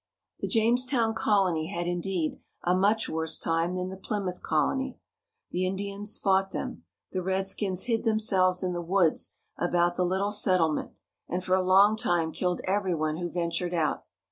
The Jamestown colony had indeed a much worse time than the Plymouth colony. The Indians fought them. The redskins hid themselves in the woods about the httle settlement and for a long time killed every one who ven tured out.